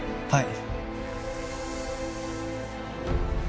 はい。